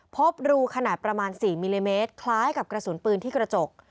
พบรูขนาดประมาณ๔มิลลิเมตรคล้ายกับกระสุนปืนที่กระจก